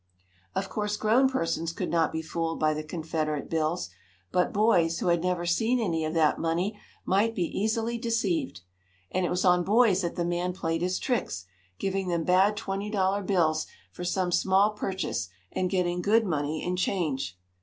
Of course grown persons could not be fooled by the Confederate bills, but boys, who had never seen any of that money, might be easily deceived. And it was on boys that the man played his tricks, giving them bad twenty dollar bills for some small purchase, and getting good money in change.